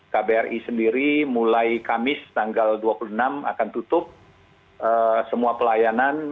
kbri sendiri mulai kamis tanggal dua puluh enam akan tutup semua pelayanan